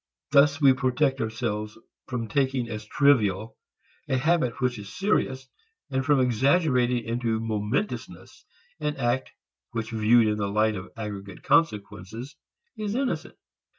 Thus we protect ourselves from taking as trivial a habit which is serious, and from exaggerating into momentousness an act which, viewed in the light of aggregate consequences, is innocent.